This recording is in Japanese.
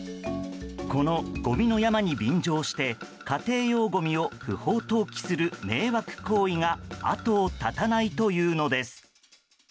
このごみの山に便乗して家庭用ごみを不法投棄する迷惑行為が後を絶たないというのです。